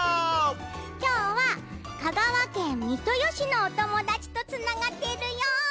きょうは香川県三豊市のおともだちとつながってるよ！